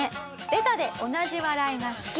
ベタで同じ笑いが好き。